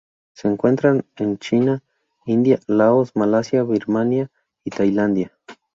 Se encuentra en China, India, Laos, Malasia, Birmania y Tailandia.